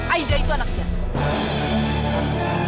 aida itu anak siapa